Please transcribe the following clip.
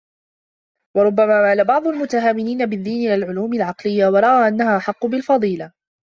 وَرُبَّمَا مَالَ بَعْضُ الْمُتَهَاوِنِينَ بِالدِّينِ إلَى الْعُلُومِ الْعَقْلِيَّةِ وَرَأَى أَنَّهَا أَحَقُّ بِالْفَضِيلَةِ